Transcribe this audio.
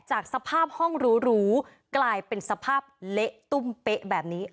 จากสภาพห้องหรูกลายเป็นสภาพเละตุ้มเป๊ะแบบนี้